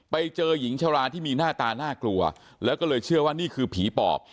ไปเจอหญิงชราที่มีหน้าตาน่ากลัวแล้วก็เลยเชื่อว่านี่คือผีปอบ